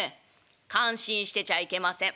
「感心してちゃいけません。